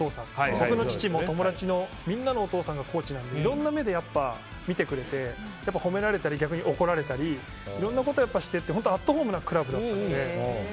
僕の父も友達もみんなのお父さんがコーチなのでいろんな目で見てくれて褒められたり、逆に怒られたりいろんなことをして本当、アットホームなクラブだったんです。